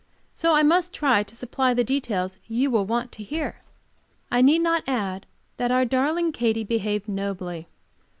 So I must try to supply the details you will want to hear.... I need not add that our darling Katy behaved nobly.